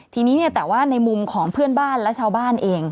ทีนี้แต่ว่าในมุมของเพื่อนบ้านและชาวบ้านเอง